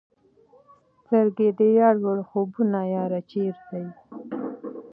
سترګي د یار وړه خوبونه یاره چیرته یې؟